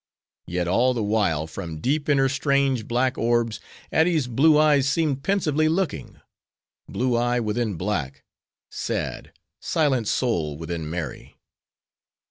Yet all the while, from deep in her strange, black orbs, Ady's blue eyes seemed pensively looking:—blue eye within black: sad, silent soul within merry.